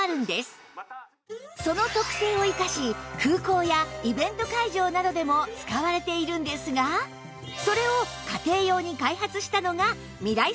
その特性を生かし空港やイベント会場などでも使われているんですがそれを家庭用に開発したのがミライスピーカーホームなんです